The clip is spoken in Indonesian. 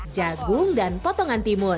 jagung dan kacang